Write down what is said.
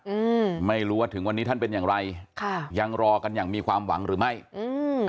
อืมไม่รู้ว่าถึงวันนี้ท่านเป็นอย่างไรค่ะยังรอกันอย่างมีความหวังหรือไม่อืม